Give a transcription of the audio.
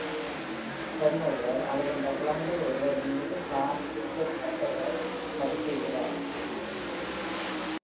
பெண் ஒருவர், அழுகின்ற குழந்தை ஒருவரின்மீது கார் இருக்கைப் பட்டைகளைச் சரிசெய்கிறார்.